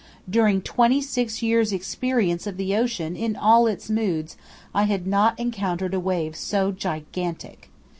During twenty six years' experience of the ocean in all its moods I had not encountered a wave so gigantic.